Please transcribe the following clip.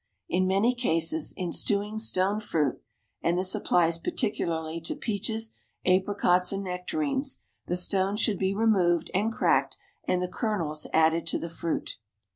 In many cases, in stewing stone fruit (and this applies particularly to peaches, apricots, and nectarines), the stones should be removed and cracked and the kernels added to the fruit.